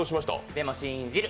でも信じる。